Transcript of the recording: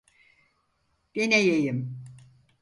Deneyeyim.